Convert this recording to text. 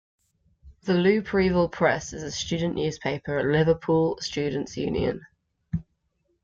The Looprevil Press is a student newspaper at Liverpool Students' Union.